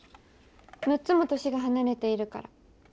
６つも年が離れているから。